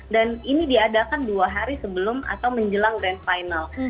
ini diadakan dua hari sebelum atau menjelang grand final